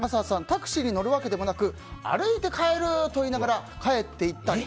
タクシーに乗るわけでもなく歩いて帰ると言いながら帰って行ったり。